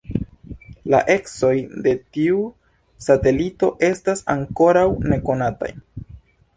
La ecoj de tiu satelito estas ankoraŭ nekonataj.